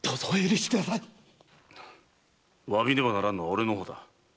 詫びねばならんのは俺の方だ。